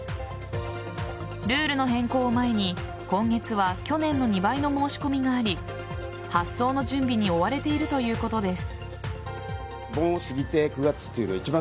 ルールの変更を前に今月は去年の２倍の申し込みがあり発送の準備に追われているということです。